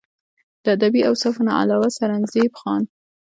د ادبي اوصافو نه علاوه سرنزېب خان